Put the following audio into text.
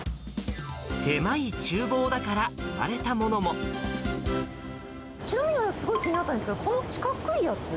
狭いちゅう房だから生まれたちなみに、あれ、すごい気になったんですけど、この四角いやつ。